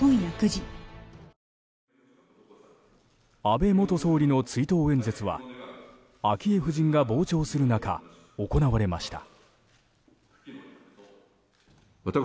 安倍元総理の追悼演説は昭恵夫人が傍聴する中行われました。